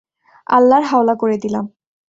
আল্লার হাওলা করে দিলাম।